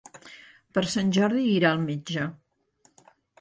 Per Sant Jordi irà al metge.